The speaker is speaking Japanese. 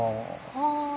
はあ。